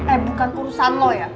eh bukan urusan lo ya